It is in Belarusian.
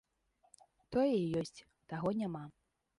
Тое ёсць, таго няма.